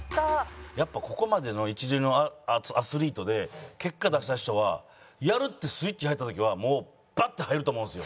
やっぱここまでの一流のアスリートで結果出した人はやるってスイッチ入った時はもうバッて入ると思うんですよ。